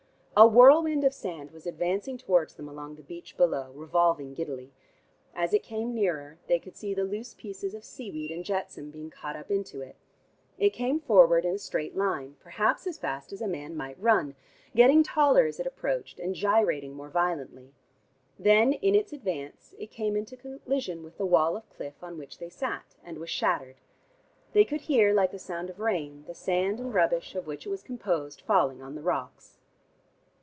A whirlwind of sand was advancing towards them along the beach below, revolving giddily. As it came nearer they could see the loose pieces of seaweed and jetsam being caught up into it. It came forward in a straight line, perhaps as fast as a man might run, getting taller as it approached and gyrating more violently. Then in its advance it came into collision with the wall of cliff on which they sat, and was shattered. They could hear, like the sound of rain, the sand and rubbish of which it was composed falling upon the rocks.